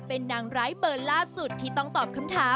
เป็นนางร้ายเบอร์ล่าสุดที่ต้องตอบคำถาม